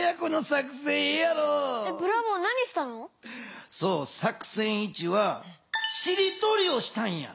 作戦１は「しりとり」をしたんや。